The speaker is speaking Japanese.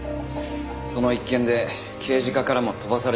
その一件で刑事課からも飛ばされていました。